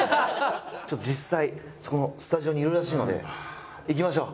ちょっと実際そこのスタジオにいるらしいので行きましょう。